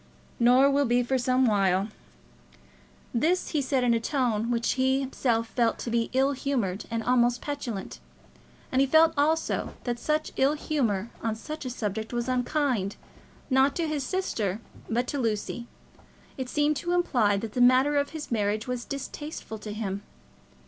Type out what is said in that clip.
"Nor will be, for some while." This he said in a tone which he himself felt to be ill humoured and almost petulant. And he felt also that such ill humour on such a subject was unkind, not to his sister, but to Lucy. It seemed to imply that the matter of his marriage was distasteful to him.